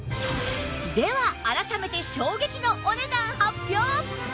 では改めて衝撃のお値段発表！